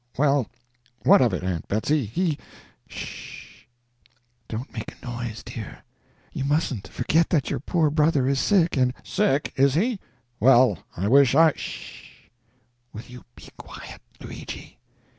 "Well, what of it, Aunt Betsy, he " "'Sh h! Don't make a noise dear. You mustn't forget that your poor brother is sick and " "Sick, is he? Well, I wish I " "'Sh h h! Will you be quiet, Luigi!